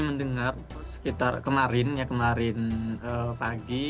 serangan terakhir kami mendengar kemarin pagi